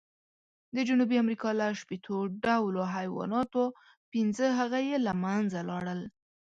د جنوبي امریکا له شپېتو ډولو حیواناتو، پینځه هغه یې له منځه لاړل.